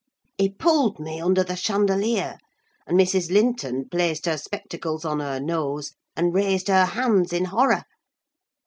He pulled me under the chandelier, and Mrs. Linton placed her spectacles on her nose and raised her hands in horror.